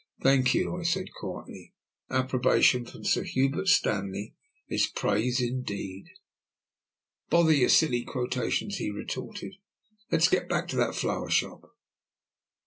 "Thank you," I said quietly. "Approbation from Sir Hubert Stanley is praise indeed." "Bother your silly quotations!" he retorted. "Let's get back to that flower shop."